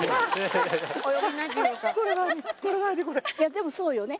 でもそうよね。